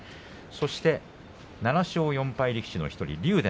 そして７勝４敗の１人竜